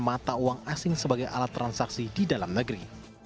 mata uang asing sebagai alat transaksi di dalam negeri